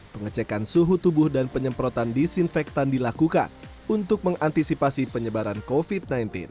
pengecekan suhu tubuh dan penyemprotan disinfektan dilakukan untuk mengantisipasi penyebaran covid sembilan belas